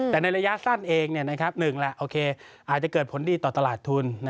แต่ในระยะสั้นเอง๑แหละอาจจะเกิดผลดีต่อตลาดทุน